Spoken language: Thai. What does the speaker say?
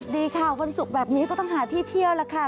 ดีค่ะวันศุกร์แบบนี้ก็ต้องหาที่เที่ยวแล้วค่ะ